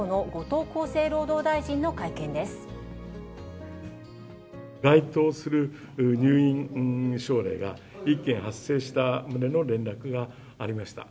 該当する入院症例が、１件発生した旨の連絡がありました。